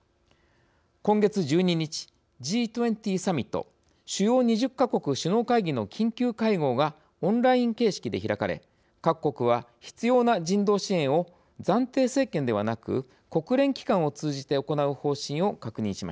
今月１２日Ｇ２０サミット主要２０か国首脳会議の緊急会合がオンライン形式で開かれ各国は必要な人道支援を暫定政権ではなく国連機関を通じて行う方針を確認しました。